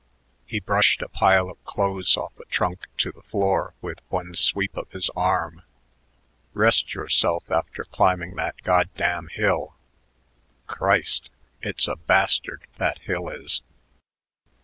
He brushed a pile of clothes off a trunk to the floor with one sweep of his arm. "Rest yourself after climbing that goddamn hill. Christ! It's a bastard, that hill is.